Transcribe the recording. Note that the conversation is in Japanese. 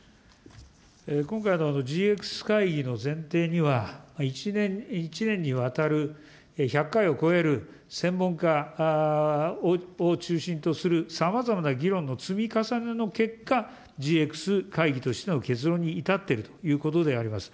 今回のＧＸ会議の前提には、１年にわたる１００回を超える、専門家を中心とするさまざまな議論の積み重ねの結果、ＧＸ会議としての結論に至っているということであります。